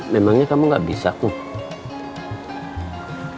memangnya kamu gak bisa kok